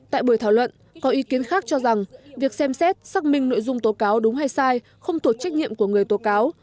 tại buổi thảo luận có ý kiến khác cho rằng việc xem xét xác minh nội dung tố cáo đúng hay sai không thuộc trách nhiệm của người tố cáo